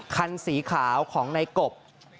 คันสีขาวของในกบ